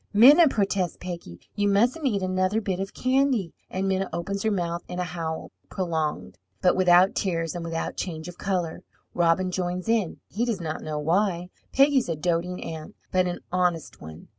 "Minna," protests Peggy, "you mustn't eat another bit of candy!" and Minna opens her mouth in a howl, prolonged, but without tears and without change of colour. Robin joins in, he does not know why. Peggy is a doting aunt, but an honest one.